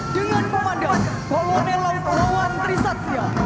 dengan komandan kolonel laut lawan trisaktia